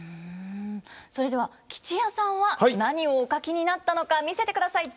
それでは吉弥さんは何をお書きになったのか見せてください。